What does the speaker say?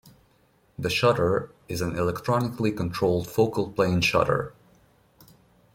The shutter is an electronically controlled focal-plane shutter.